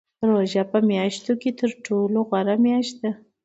روژه په میاشتو کې تر ټولو غوره میاشت ده .